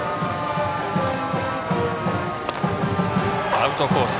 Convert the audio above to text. アウトコース